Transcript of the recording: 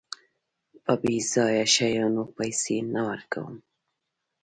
په بېځايه شيانو پيسې نه ورکوم.